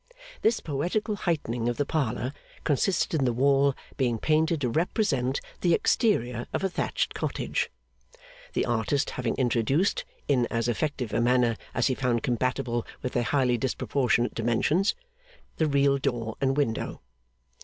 This poetical heightening of the parlour consisted in the wall being painted to represent the exterior of a thatched cottage; the artist having introduced (in as effective a manner as he found compatible with their highly disproportionate dimensions) the real door and window.